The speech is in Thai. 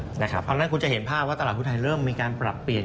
เพราะฉะนั้นคุณจะเห็นภาพว่าตลาดหุ้นไทยเริ่มมีการปรับเปลี่ยน